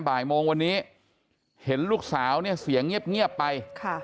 บ่ายโมงวันนี้เห็นลูกสาวเนี่ยเสียงเงียบไป